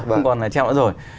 không còn là treo nữa rồi